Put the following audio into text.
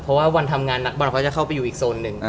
เพราะว่าวันทำงานนักบอลเขาจะเข้าไปอยู่อีกโซนหนึ่ง